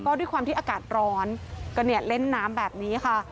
ก็ด้วยความที่อากาศร้อนก็เนี่ยเล่นน้ำแบบนี้ค่ะ